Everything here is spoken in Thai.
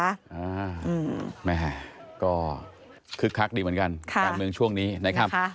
ไม่หายก็คึกคักดีเหมือนกันการเมืองช่วงนี้